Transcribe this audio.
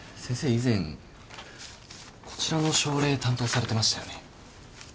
以前こちらの症例担当されてましたよね？